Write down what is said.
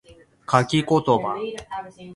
書き言葉